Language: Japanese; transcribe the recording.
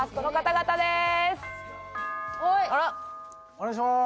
お願いします。